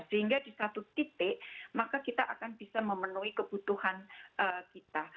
sehingga di satu titik maka kita akan bisa memenuhi kebutuhan kita